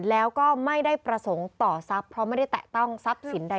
แล้วก็ไม่ได้ประสงค์ต่อทรัพย์เพราะไม่ได้แตะต้องทรัพย์สินใด